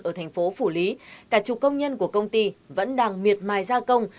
ở thành phố phủ lý cả chục công nhân của công ty vẫn đang miệt mài gia công